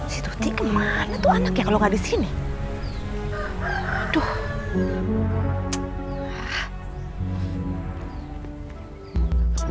si tuti kemana tuh anaknya kalau nggak di sini aduh